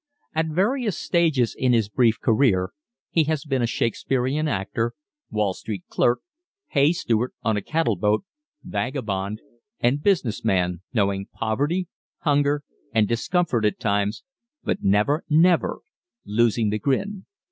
At various stages in his brief career he has been a Shakespearean actor, Wall Street clerk, hay steward on a cattle boat, vagabond, and business man, knowing poverty, hunger, and discomfort at times, but never, never losing the grin.